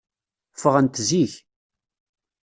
Ffɣent zik.